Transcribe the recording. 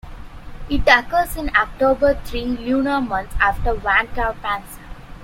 It occurs in October, three lunar months after "Wan Kao Pansa".